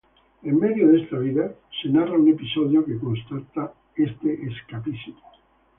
En medio de esta vida, se narra un episodio que constata este escapismo.